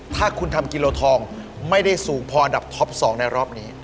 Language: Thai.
ถ้าคุณทำกิโลทองไม่ได้สูงพออันดับท็อป๒ในรอบนี้